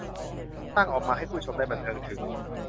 สร้างออกมาให้ผู้ชมได้บันเทิงถึง